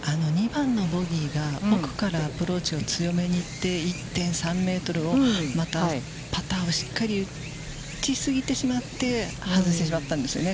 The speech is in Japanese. ２番のボギーが奥からアプローチを強めに行って、１．３メートルをまたパターをしっかり打ち過ぎてしまって外してしまったんですよね。